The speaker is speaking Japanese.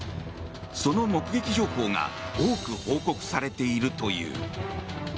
その目撃情報が多く報告されているという。